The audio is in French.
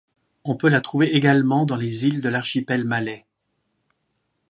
On peut la trouver également dans les îles de l'archipel malais.